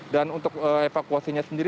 dan untuk evakuasinya sendiri